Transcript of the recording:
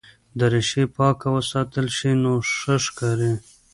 دریشي پاکه وساتل شي نو ښه ښکاري.